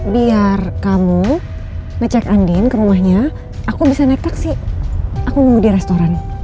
biar kamu ngecek andin ke rumahnya aku bisa naik taksi aku nunggu di restoran